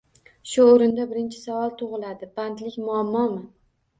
Shu o‘rinda birinchi savol tug‘iladi – bandlik muammomi?